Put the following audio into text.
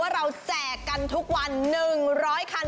เราแจกกันทุกวัน๑๐๐คัน